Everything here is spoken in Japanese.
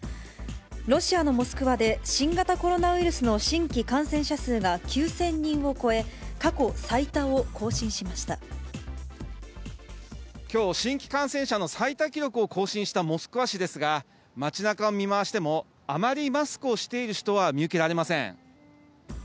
ロシアのモスクワで、新型コロナウイルスの新規感染者数が９０００人を超え、過去最多きょう、新規感染者の最多記録を更新したモスクワ市ですが、街なかを見回しても、あまりマスクをしている人は見受けられません。